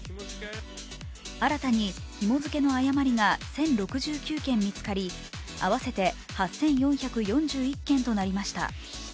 新たにひも付けの誤りが１０６９件見つかり、合わせて８４４１件となりました。